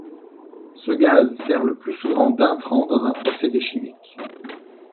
Ce gaz sert le plus souvent d'intrant dans un procédé chimique.